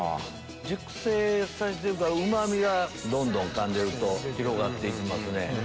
熟成させてるからうま味がどんどんかんでると広がって行きますね。